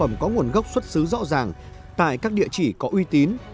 nếu sản phẩm có nguồn gốc xuất xứ rõ ràng tại các địa chỉ có uy tín